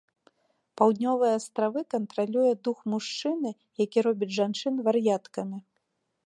Паўднёвыя астравы кантралюе дух-мужчына, які робіць жанчын вар'яткамі.